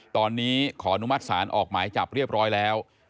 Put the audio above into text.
ตอนนี้ขออนุมัติศาลออกหมายจับเรียบร้อยแล้ว